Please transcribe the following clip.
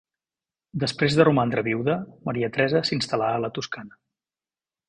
Després de romandre viuda, Maria Teresa s'instal·là a la Toscana.